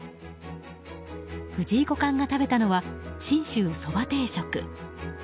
藤井五冠が食べたのは信州そば定食。